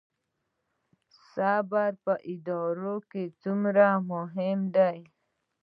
صبر په اداره کې څومره مهم دی؟